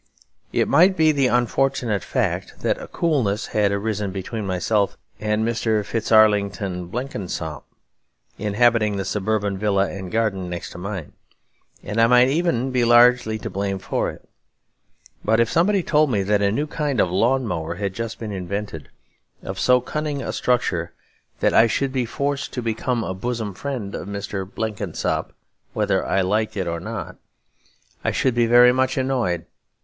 It might be the unfortunate fact that a coolness had arisen between myself and Mr. Fitzarlington Blenkinsop, inhabiting the suburban villa and garden next to mine; and I might even be largely to blame for it. But if somebody told me that a new kind of lawn mower had just been invented, of so cunning a structure that I should be forced to become a bosom friend of Mr. Blenkinsop whether I liked it or not, I should be very much annoyed.